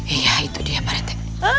iya itu dia parete